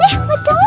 eh buat kamu